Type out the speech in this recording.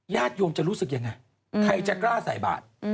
ญาติโยมจะรู้สึกยังไงใครจะกล้าใส่บาท